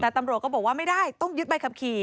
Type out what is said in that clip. แต่ตำรวจก็บอกว่าไม่ได้ต้องยึดใบขับขี่